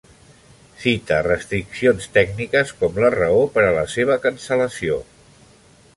Cita restriccions tècniques com la raó per a la seva cancel·lació.